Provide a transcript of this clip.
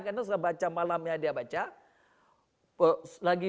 tiada yang menulis semangat dia selalu culi china belanda